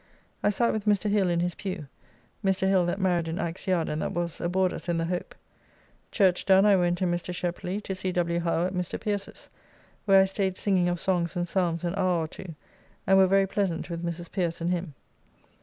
I sat with Mr. Hill in his pew; Mr. Hill that married in Axe Yard and that was aboard us in the Hope. Church done I went and Mr. Sheply to see W. Howe at Mr. Pierces, where I staid singing of songs and psalms an hour or two, and were very pleasant with Mrs. Pierce and him.